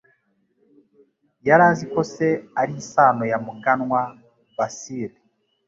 Yari azi ko se ari isano ya Muganwa Vasili.